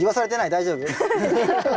大丈夫？